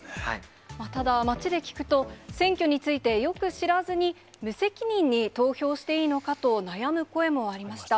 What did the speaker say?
ただ、街で聞くと、選挙についてよく知らずに、無責任に投票していいのかと悩む声もありました。